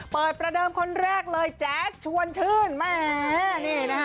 เปิดประเดิมคนแรกเลยแจ๊ดชวนชื่นแม่